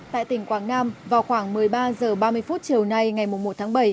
tại tỉnh quảng nam vào khoảng một mươi ba h ba mươi chiều nay ngày một tháng bảy